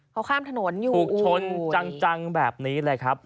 เขาข้ามถนนอยู่ถูกชนจังแบบนี้เลยครับ